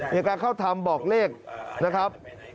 มีการเข้าทำบอกเลขนะครับ